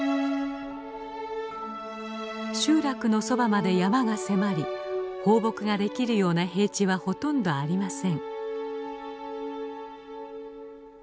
集落のそばまで山が迫り放牧ができるような平地はほとんどありません。